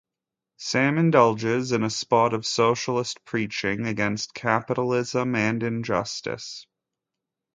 Sam indulges in a spot of socialist preaching against capitalism and injustice.